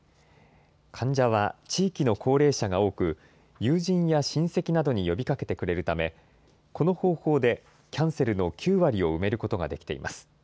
患者は地域の高齢者が多く、友人や親戚などに呼びかけてくれるため、この方法でキャンセルの９割を埋めることができています。